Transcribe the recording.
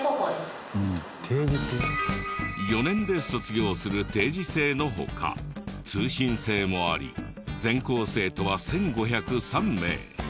４年で卒業する定時制の他通信制もあり全校生徒は１５０３名。